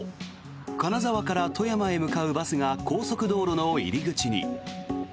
金沢から富山へ向かうバスが高速道路の入り口に。